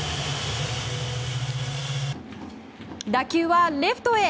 打球はレフトへ。